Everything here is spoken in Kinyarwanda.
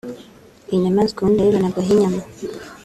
Iyi nyamaswa ubundi bayibonagaho inyama